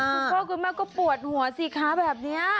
คุณพ่อคุณแม่ก็ปวดหัวสิคะแบบนี้